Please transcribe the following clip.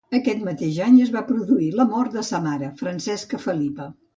Aquest mateix any es va produir la mort de sa mare, Francesca Felipa.